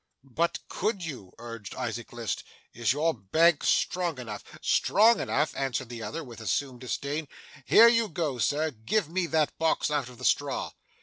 'But could you?' urged Isaac List. 'Is your bank strong enough?' 'Strong enough!' answered the other, with assumed disdain. 'Here, you Sir, give me that box out of the straw!